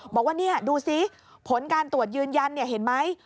บอกว่านี่ดูสิผลการตรวจยืนยันเห็นไหม